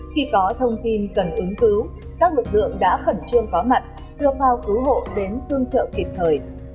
khi có thông tin cần ứng cứu các lực lượng đã khẩn trương có mặt đưa phao cứu hộ đến tương trợ kịp thời